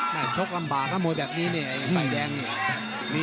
แบทชกลำบากถ้ามวยแบบนี้นี่ไฟแดงนี่